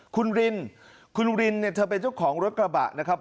คุณรินคุณรินเนี่ยเธอเป็นเจ้าของรถกระบะนะครับ